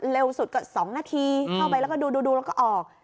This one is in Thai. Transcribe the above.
สุดก็๒นาทีเข้าไปแล้วก็ดูแล้วก็ออก